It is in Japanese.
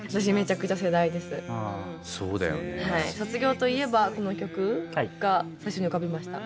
卒業といえばこの曲が最初に浮かびました。